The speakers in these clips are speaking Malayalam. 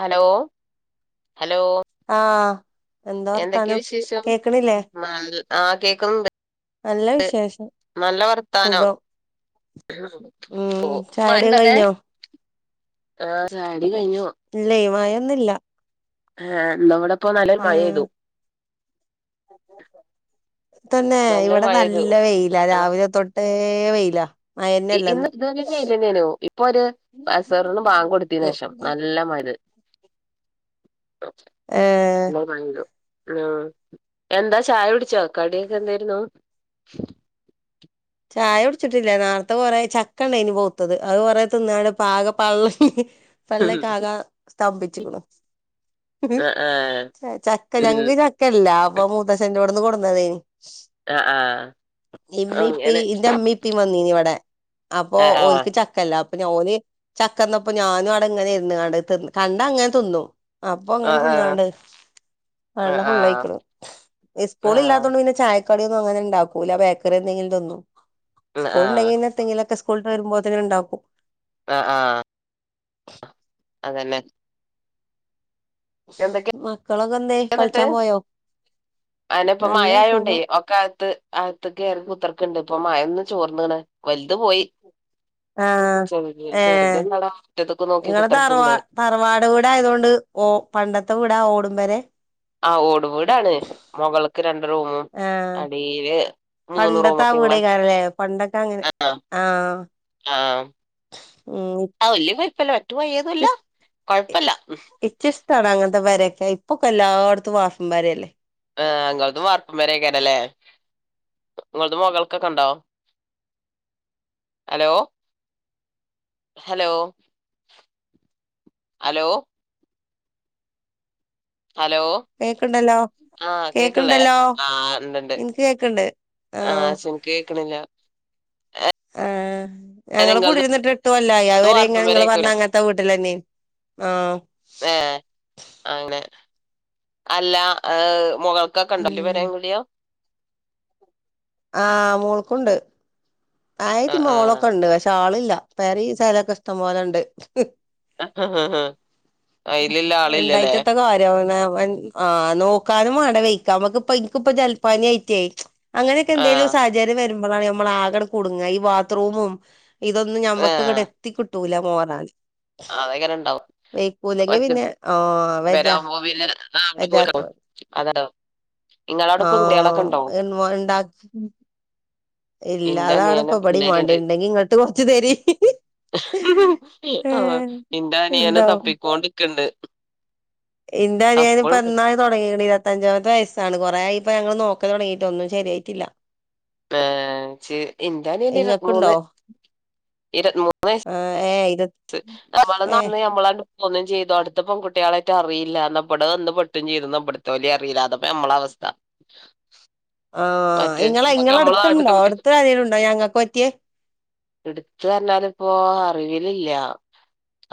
ഹലോ ഹലോ ആഹ് എന്താ എന്തൊക്കെ വർത്താനം വിശേഷം കേക്കണില്ലേ നല്ല ആഹ് കേക്കും നല്ല വിശേഷം നല്ല വർത്താനം സുഖം ഉം ചായുടി പോവണ്ടടെ കഴിഞ്ഞോ ആഹ് [unintelligible] സ ഇല്ലേ മയ ഇന്ന്ല്ല ആഹ് ഇന്നവടം ഇപ്പൊ നല്ല മഴെയ്തു തന്നെ നല്ലൊരു ഇവിടെ മഴ പെയ്തു നല്ല വെയില ആ, രാവിലെ തൊട്ടേ വെയില ഇ- മയന്നല്ലന്ന് ഇന്ന് ഇതുവരെ വെയിലന്നെനു ഇപ്പൊ ഒരു അസറിന് ബാങ്ക് കൊടുത്തതിന് ശേഷം ത ഏഹ് [unintelligible] ഇങ്ങള [unintelligible] ഉം എന്താ ചായൊടിച്ചോ ക്കടി എന്തേരുന്നു ചായ ഉട്ച്ചിട്ടില്ല നേര്ത്തെ കൊറെ ചക്ക ണ്ടായിനി പൊഹ്ത്തത് അത് കൊറെ തിന്നാണ് പാക പള്ള ഉം. പള്ളക്കാക സ്തംഭിച്ച്ക്ക്ണ് ആ ആ ചക്ക ഉം ഞങ്ങക്ക് ചക്ക ഇല്ല അപ്പൊ മൂത്തശ ഇവിട്ന്ന് കൊടന്നതേനി അഹ് ആഹ് ഔ ഇ ഇന്റെ അമ്മീപ്പീ വന്നീനി ഇവിടെ- അപ്പൊ ആ ആ ഓൽക്ക് ചക്കല്ല ഞോന് ചക്കന്നപ്പോ ഞാനും അവി ഇങ്ങനെ ഇ കണ്ട അങ്ങനെ തിന്നു അപ്പൊ ആ ആ അങ്ങനെ ആ തിന്നാണ്ട് ആ വെള്ള ആ ഫുള്ളഴിക്കണ സ്കൂള ആ ഇല്ലാത്തോണ്ട് പിന്നെ ചായ കട ഒന്നും അങ്ങന ഉണ്ടാക്കൂ ബേക്കറി എന്തങ്കിലും തിന്നും സ് കൊങ്ങന തങ്ങല കസ് സ്കൂള വരുമ്പോ തങ്ങനെ ഉണ്ടാക്കും ആഹ ആഹ അതന്നെ എന്തൊക്കെയ മക്കള എന്നിട്ട് അന ഇപ്പൊ നല്ല മഴായോണ്ട സുഖം ഒക്ക അകത്ത് ആകത്തക്കറ കുത്തക്കുണ്ട് ഇപ്പോ മയൊന്ന് ചോർന്നേണ്. വലുത് പോയി. ആ ചെറുത് ഏ ചെറുത് ഇതാടാ മുറ്റത്ത്ക്ക് നോക്കി ങ്ങടെ കുത്തർക്ക്ണ്ട് തറവാ തറവാട് വീടായതോണ്ട് ഓ പണ്ടത്തെ വീടാ ഓട് എന്താരെ ആ ഓട് വീടാണ്‌. മൊകൾക്ക് രണ്ട് റൂമും. ആഹ് അടിയില് പണ്ടത്തെ ആ വീടാക്കാറല്ലേ പണ്ടൊക്കെ അങ്ങനെ. ആ ആഹ് ആ ഉം ഊം. [unintelligible] ക്ക് ഷ് കൊഴപ്പല്ല ഇയ്ക്ക് ഇഷ്ടാണ്‌ അങ്ങനത്തെ പെരേ ഇപ്പൊക്കെ എല്ലായിടത്തും വാർപ്പും പെര അല്ലേ ആ ഇങ്ങൾക്കും വാർപ്പും പെരയൊക്കെയാണല്ലേ? ഇങ്ങൾത് മൊകൾക്ക് ഒക്കെണ്ടോ? ഹലോ ഹലോ ഹലോ ഹലോ കേക്ക്ണ്ടല്ലോ ആ കേക്കില്ലേ? കേക്ക്ണ്ടല്ലോ ആഹ് ഇണ്ട്ണ്ട്. ഇൻക്ക് കേക്ക്ണ്ട് ആ ശരി കേക്കണില്ല. ആ ഞാന് ഞങ്ങള് ഇങ്ങളത് കുടിയിരുന്നിട്ട് എട്ടുകൊല്ലായി. ആ അത് വരേം വാർപ്പും ങ്ങള് ങ്ങള് വരെയൊക്കെ പറഞ്ഞ അങ്ങത്തെ വീട്ടിലന്നെയിന് ആ ഏ അങ്ങനെ അല്ല ഏഹ് മൊഗൾക്കാ കണ്ടെല്ല് ഉം വരെൻന്നൂല്യ [unintelligible] ആ മോൾക്കുണ്ട്. ആ ആയക്ക് ആ മോളോക്കെണ്ടോ? പക്ഷേ ആള് ല്ല പെരേം ഈ സഥലൊക്കെ ഇഷ്ടം പോലെണ്ട് ആഹ്ഹ്ഹ ആയില്ക്ക്ള്ള ആളില്ലല്ലേ? ഓ നോക്കാനും വേണ്ട വെയ്ക്കാൻ നമക്കിപ്പ എനിക്കിപ്പ ജൽപ്പാനി ആയിറ്റേ അങ്ങനൊക്കെ എന്തേലും ആഹ് സഹചര്യം വരും [unintelligible] കുടുങ്ങ ഈ ബാത്റൂമും ഇതൊന്ന് ആഹ് ഞമ്മക്ക്ങ്ങടെത്തി കിട്ട് ട്ടൂല മോറാന് അതങ്ങനെ വയ്ക്കൂല്ലെങ്കി പിന്നെ ഓ ഇവരാവുംമ്പൊ പിന്നെ ആ അവ്ടെ പൊയ്ക്ണു [unintelligible] ഓ ൻ വോ ഇണ്ടാ ഇല്ല എന്റെ അതാണ് അനിയന് ഇപ്പബടിം പിള്ളേരുണ്ട് വേണ്ടത് ണ്ടെങ്കി ഇങ്ങട്ട് കൊറച്ച് തരിൻ. ആ ഏഹ്. എന്റെ അനിയന് ഇണ്ടാവും തപ്പിക്കോണ്ടിക്കണ്ട് എന്റെ തപ്പും അനിയനിപ്പം എന്നായി തുടങ്ങിയെടി ഇരുപത്തഞ്ചാമത്തെ വയസ്സ് ആണ് കൊറെയായിട്ട് ഞങ്ങള് നോക്കല് തൊടങ്ങിട്ട്. ഒന്നും ശര്യായിട്ട് ഇല്ല. ഏ ജ്ജ് ഇന്റെ അനിയന് ഇങ്ങക്കുണ്ടോ ഇരുവത്ത്മൂന്ന് ഇരുവത്ത്മൂന്ന് വയസ് ആ ഏ ഇരു നമ്മള് ഏ [unintelligible] നമ്മള് [unintelligible] അടുത്ത പെൺകുട്ടികളായിട്ട് അറിയില്ലന്ന് അവിടെ വന്ന് പെട്ടും ചെയ്തന്ന് അവിടുത്തെ പോലി അറിയില്ല അതപ്പൊ നമ്മളെ അവസ്ഥ ആഹ മറ്റേ ഇങ്ങളെ നമ്മക്ക് ഇങ്ങള നമ്മളെ നാട്ടിത്തെ അടുത്തുണ്ടോ കുട്ടി അടുതരേന് കിലുംണ്ടോ ഞങ്ങൾക്ക് പറ്റിയേ എടുത്തു തഞ്ഞാല ഇപ്പോ അറിവിലില്ല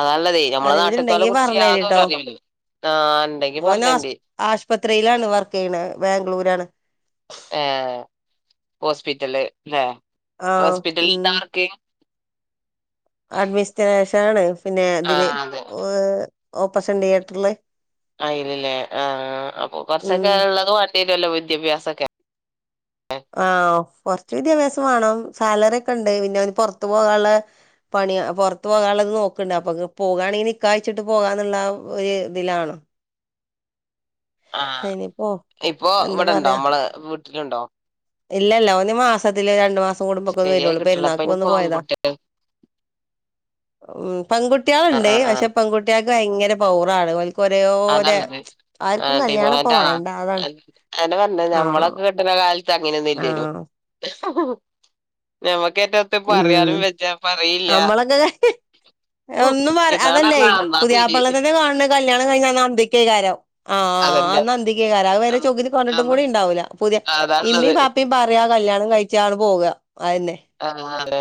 അതാള്ളതേ നമ്മളെ നാട്ടിത്തോലെ അറിവിലുണ്ടെങ്കി കുറിച്ച് പറഞ്ഞ യാതൊരു തരട്ടോ അറിവില്ല ആഹ് ഇണ്ടെങ്കി ഓൻ പറഞ്ഞരണ്ടി ആശുപത്രിയിലാണ് വർക്ക് ചെയ്യണ ബാംഗ്ലൂരാണ് ആഹ ഹോസ്പി ഇല്ല ആ ആ ഹോസ്പിറ്റല താർക്കെ അഡ്മിഷനേഷാണ് പിന്നെ അതില് ആഹ് അതെ ഓപ്പസൻ തിയേറ്ററില് അയില്ലല്ലേ ആ അപ്പൊ ഉം കുറച്ചൊക്കെ ഉള്ളത് [unintelligible] വിദ്യാഭ്യസക്ക ആഹ കൊറച്ച് വിദ്യാഭ്യാസം വേണം സാലറി ഒക്കെ ഉണ്ട് പിന്നെ അവന് പുറത്തു പോകാനുള്ള പണി പുറത്തു പോകാനുള്ളത് നോക്കണ്ട് അപ്പൊ പോകാണെങ്കിൽ നിക്കാഴ്ച്ചിട്ട് പോകാന്നുള്ള ഒരു ഇതിലാാണ് ആഹ ഇപ്പോ എന്താ ഇവിടെ ഇണ്ടോ പറയാ നമ്മള് വീട്ടിലുണ്ടോ ഇല്ലല്ല ഒന്ന് മാസത്തില് രണ്ട മാസം കുടുംബക്കെ ശരിയായി വരു കിട്ടില്ല അപ്പൊ പെരുന്നാൾക്ക് അയിന് വന്നു പോയതാ പെൺകുട്ടി പെൺകുട്ടികൾ ആഹ് ഉണ്ട് ആഹ് ആഹ് പക്ഷേ പെൺകുട്ടിക ഭയങ്കര പൗറാണ് കൊരെയോര അതാള്ളത് ആ ആഹ് [unintelligible] അങ്ങനെയൊന്ന ഇല്ലരോ ആഹ് നമക്ക് [unintelligible] റ്റത്ത് ഇ പറയാനും ഉം വെച്ച പറയില്ല നമ്മളൊക്കെ ഒന്നും പറ ഇതാണ് അതല്ലേ പറഞ്ഞ ആ ന്നാ ശരി പുതിയാപൾനെ തന്നെ കാണണ് കല്ല്യാണം കഴിഞ്ഞഅന്ന് കേകാരം ആ അതന്നെ അന്നന്തിക് കാരഅഹ് വരെ ചൊഗ് ന് കൊഞ്ഞിട്ടും അതാ കൂടി ണ്ടാവൂല്ല പുതിയ ഇമ്മീ അതാള്ളത് പാപ്പിമ് പറയാ കല്യാണം കഴി ച്ച അാണ്പോവ ആഹ് അതെ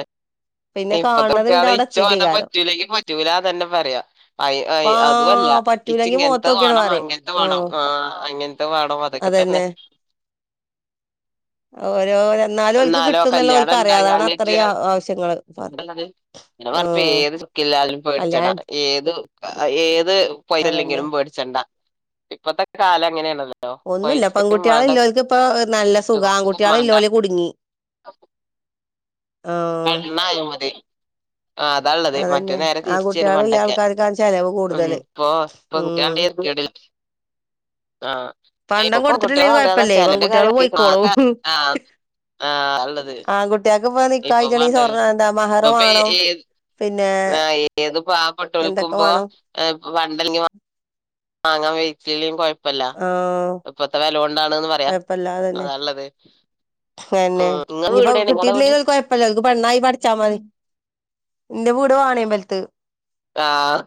പിന്നെ ഇപ്പത്തെ കാണുന്നത് പിന്നെ കുട്ട്യേള് അവിടെ ഇച് ഓനെ എത്തിയിട്ടേക്കാരം പറ്റൂലങ്കി പറ്റൂലന്നെന്നെ പറയഐ ഐ ആ അതു അല്ല പറ്റൂലെങ്കി ഇച്ചിങ്ങൻത്തെ മുഖത്തോക്കിയാണ് വാണം പറയും അങ്ങൻത്തെ വേണം ആ അങ്ങൻത്തെ വാണം അതൊക്കെ തന്നെ ഓ എന്നാലോ കല്യാണം അതാണ് എന്തായാല് അത്രയും ആ- ആവശ്യങ്ങള് പ- [unintelligible] ആ ഏത് സുഖില്ലാല്ലും പേടിച്ചണം കല്യാണം ഏത് അ ഏ ത് അതന്നെ പോയലല്ലെങ്കിലും പേടിച്ചണ്ട ഇപ്പത്തെ കാലം ങ്ങനെയാള്ളത് ഒന്നുല്ല പെൺകുട്ട്യോളില്ലോൽക് പ്പ നല്ല സുഖ ചുക്കും വേണ്ട ആൻകുട്ട്യോളില്ലോല് കുട്ങ്ങി പെണ്ണായ മതി ആ അതാള്ളത് മറ്റേ അതന്നെ നേരെ തിരിച്ചെനു ആൺകുട്ടികളില്ല പണ്ടൊക്കെ ആൾക്കാർക്കാണ് ചെലവ് ഉം കൂടുതല് പ്പൊ പ്പൊ ഉം [unintelligible] ഇപ്പൊ പണ്ടം കൊടുത്തിട്ടില്ലെങ്കി പെൺകുട്ടികള [unintelligible] കൊഴപ്പല്ലേ ചെലന്റെ കാര്യ പെൺകുട്ടികള് പോയിക്കോളും [unintelligible] ഉള്ളത് ഇപ്പൊ കായ്ചെണി പണ്ട് സ്വർണം ഇപ്പൊ എന്താ മഹറ ഇപ്പൊ ഏ- വാണം പിന്നെ എന്തൊക്കെ പാപെട്ടോൽക്കുമ്പോ വാണം എ വണ്ടൽ ആങ്ങാൻ വെയ്ക്കില്ലെ കൊയ് ആഹ് പറയാ കൊഴപ്പല്ലതന്നെ അതാള്ളത് പന്നെ ഉം നിങ്ങളെ വീട് ഇനിപ്പൊ എവിടെയാണ് നിങ്ങളെ വീട് കിട്ടിയിട്ടില്ലങ്കി കുഴപ്പല്ല ൻക് പെണ്ണായി പഠിച്ചാ മതി ന്റെ വീട് വാണിയമ്പൽത്ത് ആഹ്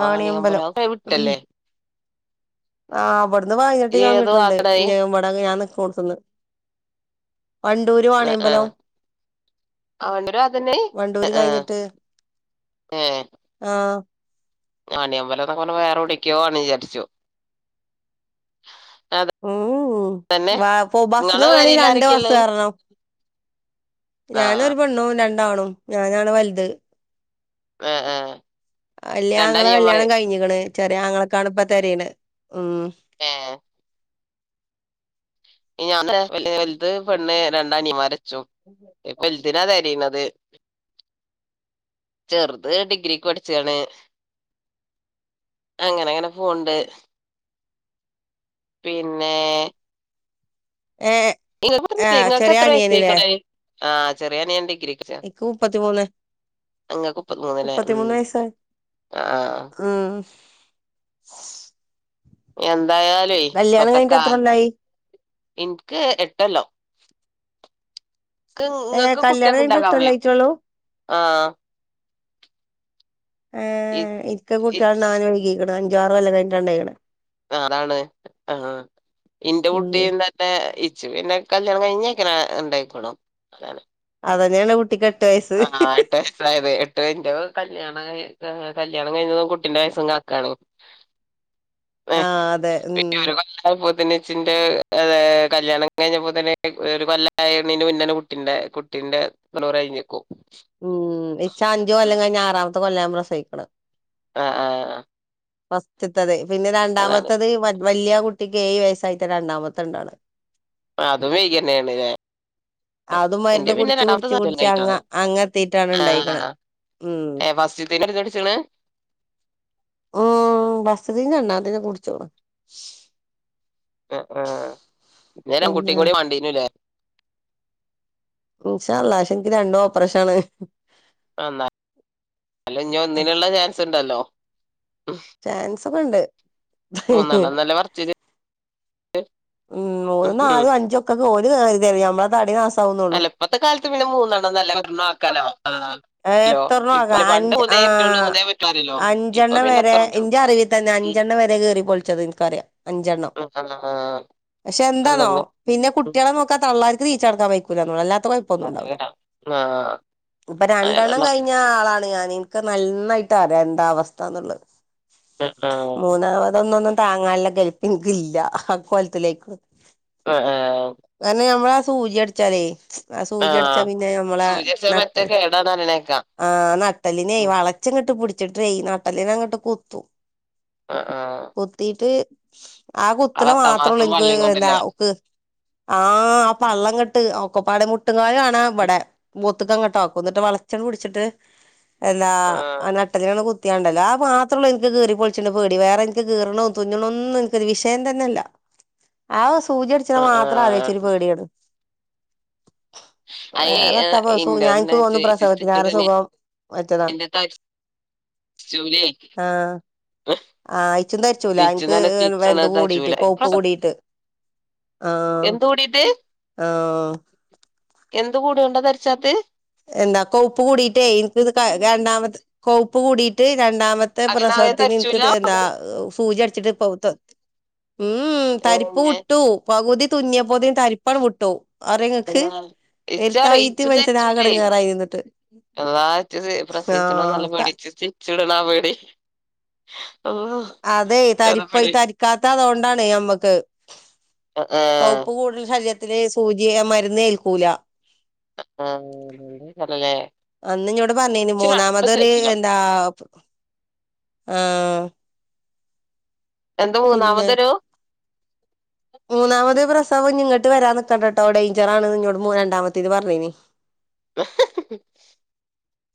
വാണിയമ്പലം അഒക്കെ വിട്ടല്ലേ ആഹ് ഇന്ന് വൈനെട്ട് ഏത് കിലോമീറ്റർ ഉണ്ട് ഭാഗത്താണത് ന്നി വിടങ് ഞാൻ നികോട്ത്ത്ന്ന് വണ്ടൂര് ആഹ് വണിയമ്പലം ആഹ് അവണ്ടരും അതന്നെ വണ്ടൂര് ആഹ് ആഹ് കഴിഞ്ഞിട്ട് ആഹ് ഞണിയമ്പലം എന്നൊകെ പർഞ വേറെ ഓടെക്കോ ആന്ന് വിചാരിച്ചോ [unintelligible] നിങ്ങളെ വേണെ പെരേല് രണ്ട് ആരൊക്കെയുള്ളെ ബസേറണം ഞാൻ ആഹ് ഒരു പെണ്ണു രണ്ട ണ്ടാണും ഞാനാണ് വൽത് ആ ആഹ് അല്യ ആങ്ങള രണ്ടനിയന്മാര് കല്ല്യാണം കഴിഞ്ഞിക്ണ് ചെറിയ ആങ്ങളക്ക് ആണ് ഇപ്പൊ തിരയണേ ഉം ഏഹ് ഞാൻ വലുത് പെണ്ണ് രണ്ട് അനിയന്മാർ ഇപ്പ വലുതിന തിരയനത് ചെറുത് ഡിഗ്രിക്ക് പഠിച്ചാണ് അങ്ങനെ അങ്ങനെ പോണ്ട് പിന്നെ ഏഹ് നിങ്ങ ആഹ് നിങ്ങക്ക് ചെറിയ എത്ര വയസ്സക്കട ആഹ് ചെറിയാനിയത്തി എക്ക് ഉപ്പത്തിമൂന്ന ഇങ്ങക്ക് മുപ്പത്തിമൂന്ന്ല്ലേ ഉം ഉപ്പത്തിമൂന്ന് വയസ്സ് ആയി ആഹ് ഉം എന്തായാലും കല്യാണം കഴിഞ്ഞിട്ട് എത്ര ഇപ്പത്തെക്കൽ കൊല്ലായി എനിക്ക് എ ല്ലോ ഏഹ് കല്ല്യാണം കഴിഞ്ഞ്ട്ട് എട്ടൊല്ലം ആയിറ്റൊള്ളൂ ആഹ് ഇ ഏഹ് ഇക്ക് ഇച്ച് കുട്ട്യാള്ണ്ടാവാന് വഴ്കീക്ക്ണ് അൻ ഞ്ചാറൊല്ലം കഴിഞ്ഞിട്ടാണ്ടായ്ക്ക്ണ് അഹ് അതാണ് ആഹ് ഇന്റെ ഉം കുട്ടീം തന്നെ ഇച്ച് പിന്നെ കല്ല്യാണം കഴിഞ്ഞ ചെക്കനാ ഇണ്ടായിക്കോളും അതാണ്. അതന്നേണ് കുട്ടിക്കെ അഹ് ആഹ് എട്ട് വയസ്സായത് എ ട്ട് എന്റെ കല്യാണം കഴ് കല്യാണം കഴിഞ്ഞതും കുട്ടിന്റെ വയസ്സും കണക്കാണ്. ആഹ് അതേ ഉം [unintelligible] അത് കല്യാണം കഴിഞ്ഞപ്പോ തന്നെ ഒരു കൊല്ലായേണിന് മുന്നേണ് കുട്ടിന്റെ കുട്ടീന്റെ തൊണ്ണൂറ് കഴിഞ്ഞെക്കും. ഉം ഇൻച്ച് അഞ്ചു കൊല്ലം കഴിഞ്ഞ് ആറാമ ത്തെ കൊല്ലാ ഞാൻ പ്രസവിക്കണത്. അഹ് ആഹ് അഹ് ഫസ്റ്റത്തത്. പിന്നെ രണ്ടാമത്തത് വല്ല്യാ കുട്ടിക്ക് ഏഴ് വയസ്സായിട്ടാ രണ്ടാമത്തെണ്ടാവണെ. അതും വെയ്കിയന്നേണില്ലേ. അത് മരുന്ന് കുടിച്ച് കുടിച്ച് കഴിഞ്ഞിട്ടാണ് കുടിച്ചങ്ങാ അങ്ങെത്തീറ്റാണ് ഇണ്ടായിക്കണ്. ആഹ് ഉം ഏഹ് ഫസ്റ്റ്ത്തന്നെ എടുത്തടിച്ച്ണ് ഓഹ് ഫസറ്റ്ത്തീന് രണ്ടാ ഇല്ല ഞാൻ കുടിച്ചോളാ ആഹ് ആഹ് നേരം കുട്ടിം പിന്നെ കൂടി വാണ്ടീന്ലേ. എ. ഇൻഷാ അളളാ പക്ഷെ ഇൻക്ക് രണ്ടും ഓപ്പറേഷാണ്. അ എന്ത അല്ല ഒന്നിനുള്ള ചാൻസ് ഉണ്ടല്ലോ. ചാൻസ് ക്കുണ്ട്. മൂന്നെണ്ണം ന്നല്ലേ പർച്ചില് ഉം മൂന്നും നാലും അഞ്ചും ഒക്കെ ഓൽ [unintelligible] നമ്മളെ താടി നാസ അല്ല ഇപ്പത്തെ കാലത്ത് പിന്നെ മൂന്നെണ്ണം ന്നല്ലേ പറഞ്ഞെ. ക്കലോ. എത്രണ്ണം ആ അഞ്ച് മൂന്നേ ആ പറ്റുള്ളൂ മൂന്നേ പറ്റൂ പറയല്ലോ ഇപ്പൊ അഞ്ചെണ്ണം പിന്നെ വരെ എത്ര പറ്റും എന്റെ അറിവി തന്നെ അഞ്ചെണ്ണം വരെ കേറി പൊളിച്ചത് എനിക്കറിയാം അഞ്ചെണ്ണം ആഹ് പക്ഷെ എന്താന്നോ അതന്നെ പിന്നെ കുട്ടികളെ നോക്കാ തള്ളാ ടക്കാൻ വക്കൂുള്ള [unintelligible] ഇപ്പൊ ആആ രണ്ടെണ്ണം കഴിഞ്ഞ ആളാ ഞാൻ എനിക്ക് നന്നായിട്ട് അറിയ എന്താ അവസ്ഥാന്നുള്ളത് അ ആ അതൊന്നൊന്നും താങ്ങാനുള്ള കേൾപ്പെനിക്കില്ല കോലത്തിലേക്ക് ആ ആ കാരണം ഞമ്മളാ സൂചി അടിച്ചാലേ ആ സൂചി അടിച്ചാ പിന്നെ നമ്മളെ സൂചി അടിച്ചാ പറ്റെ നട്ടൽ കേടാന്ന് പറയണേക്കാം ആ നട്ടലിനെ ഉം വളച്ച ങ്ങിട്ട് പിടിച്ചിട്ടേ നട്ടല്ലിനങ്ങട്ട് കുത്തും ആഹ് ആഹ് കുത്തീട്ട് ഉ [inaudible] ആ കുത്തന ആള് പത്താം മാത്രേ ഉള്ളൂ മാസം എനക്ക് പള്ളീം കൊണ്ടല്ലേ എന്താക്ക് ആ ആ പള്ളം കെട്ട് കൊപ്പാട് മുട്ട് മുട്ടുകാല് കാണാം ഇവിടെ ത്കങ്ങാട്ടോ കൊന്നിട്ട് വളച്ചണ് പിടിച്ചിട്ട് എന്നാ ആഹ് നട്ടെല്ലുകള് കു കയാണ്ടല്ലോ ആ മാത്രമേള്ളൂ എനിക്ക് കീറി പൊളിച്ചിട്ടണ്ട് പേടി വേറെ എനിക്ക് കീറണ തുന്നണോന്നും എനിക്കൊ വിഷയം തന്നെയല്ല സൂചി അടിച്ചണ ആഹ് മാത്രം ആലോചിച്ചൊരു പേടിയണ് അ വേറെത്താപ്പ സു ഇണ്ട് ഞാൻ എനിക്ക് തോന്നുന്നു പ്രസവത്തിന് ആറെ സുഖം വച്ചതാണ് എന്റെ തച്ചൂലേ ആ ആ അയച്ചും തധരിച്ചൂല സ്റ്റിച്ച് എനിക്ക് നല്ല സ്റ്റിച്ചാണ് വെന്ത് കൂടിട്ട് തച്ചൂല കോപ്പ് കൂടിട്ട് ആ എന്ത് കൂടിട്ട് ആ എന്ത് കൂടുണ്ടോ ധരിച്ചാത്ത് എന്താ കോപ്പ് കൂടീട്ടേ എനിക്ക് ഇത് രണ്ടാമത് കോപ്പ് കൂടീട്ട് രണ്ടാമത്തെ അങ്ങനെ ആദ്യം പ്രസവത്തിന് എനിക്ക് തരിച്ചൂല എന്താ സൂചി ടെ പോത [unintelligible] ഉം തരിപ്പ് ഏഹ് വിട്ടു പകുതി തുന്നിയപ്പോത തരിപ്പ് പ്പട് ഉട്ടോ അരങ്ങക്ക് വരുത്തായിട്ട് എ മനതകണം പ്രസവിച്ച നല്ല ആഹ് പേടിച്ചിട്ട് ചിടനാ പേടി അള്ളാ അതെ ച്ച് അതാ തരിപ്പ പേടി തരിക്കാത്ത അതുകൊണ്ടാണ് മ്മക്ക് ആഹ് കൗപ്പ് കൂടുതൽ ശരീരത്ത് ത്തിലെ സൂചിയ മരുന്ന് ഏൽക്കൂല ആഹ് അല്ലേ അന്ന് ന്നോട് പറഞ്ഞിനി മൂന്നാമതൊരു എന്താ ആഹ് ഉം എന്താ മൂന്നാമതൊരു മൂന്നാമത് പ്രസവം ഇങ്ങോട്ട് വരാൻ നിക്കണ്ട കേട്ടോ ഡേൻജർ ആണ് എന്നോട് മൂ രണ്ടാമത്തേന് പറഞ്ഞിന് എഹെഹെഹേ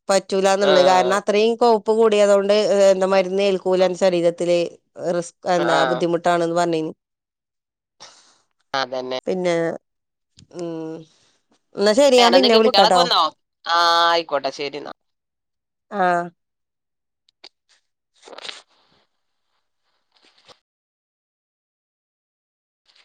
പറ്റൂല്ലാന്നുള്ളത് കാരണം അത്രയും കോ ഉപ്പ് കൂടിയതുകൊണ്ട് എ എന്താ മ രുന്നേൽക്കൂല എന്ന് ശരീരത്തില് റിസ്ക് എന്താ ആഹ് ബുദ്ധിമുട്ടാണ്ന്നു പറഞ്ഞതിന് അതന്നെ പിന്നെ ഉം എന്നാ ശരി ഞാൻ പിന്നെ എന്തൊക്കെ കുട്ടികളൊക്കെ വിളിക്കാട്ടോ വന്നോ ആഹ് ആയിക്കോട്ടെ ശെരി ആഹ് [unintelligible]